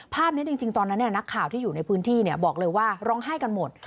ภาพนี้จริงตอนนั้นนักข่าวที่อยู่ในพื้นที่บอกเลยว่าร้องไห้กันหมด